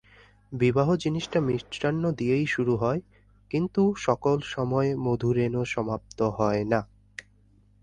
বিবাহ জিনিসটা মিষ্টান্ন দিয়েই শুরু হয়, কিন্তু সকল সময় মধুরেণ সমাপ্ত হয় না।